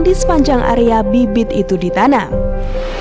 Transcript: di sepanjang area bibit itu ditanam